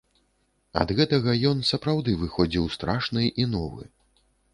Ад гэтага ён сапраўды выходзіў страшны і новы.